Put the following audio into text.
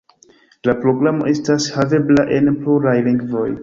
La programo estas havebla en pluraj lingvoj.